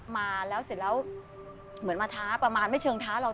มาแล้วเสร็จแล้วเหมือนมาท้าประมาณไม่เชิงท้าเรา